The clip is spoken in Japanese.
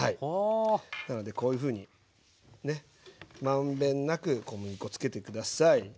なのでこういうふうにね満遍なく小麦粉つけて下さい。